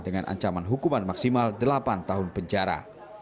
dengan ancaman hukuman maksimal delapan tahun penjara